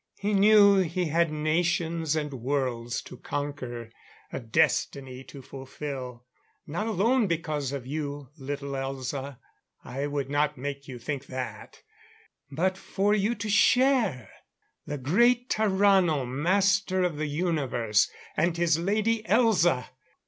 He knew he had nations and worlds to conquer a destiny to fulfill. Not alone because of you, little Elza. I would not make you think that. But for you to share. The great Tarrano, master of the universe, and his Lady Elza!